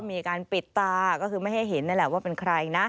มีการปิดตาก็คือไม่ให้เห็นนั่นแหละว่าเป็นใครนะ